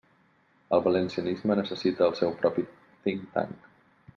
El valencianisme necessita el seu propi think tank.